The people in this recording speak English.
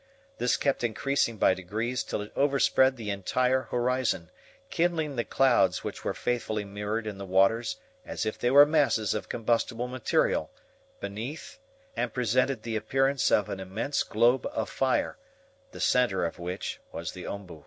This kept increasing by degrees till it overspread the entire horizon, kindling the clouds which were faithfully mirrored in the waters as if they were masses of combustible material, beneath, and presented the appearance of an immense globe of fire, the center of which was the OMBU.